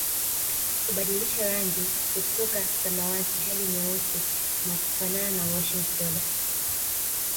Hubadilisha rangi kutoka samawati hadi nyeusi na kufanana na washing soda